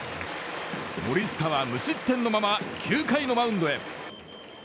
森下は無失点のまま９回のマウンドへ。